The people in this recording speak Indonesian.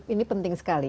ini penting sekali